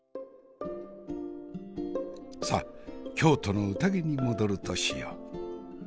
さあ京都の宴に戻るとしよう。